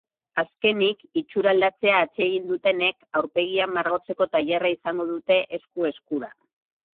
Azkenik, itxuraldatzea atsegin dutenek aurpegiak margotzeko tailerra izango dute esku-eskura.